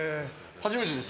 初めてです。